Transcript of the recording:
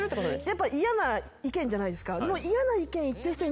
やっぱ嫌な意見じゃないですか。